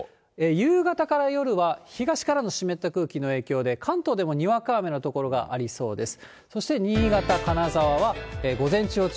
夕方から夜は東からの湿った空気の影響で、関東でもにわか雨の所がありそうです。